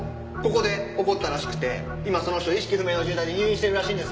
ここで起こったらしくて今その人意識不明の重体で入院してるらしいんですよ。